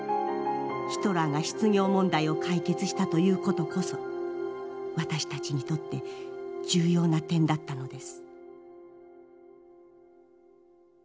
ヒトラーが失業問題を解決したという事こそ私たちにとって重要な点だったのです」。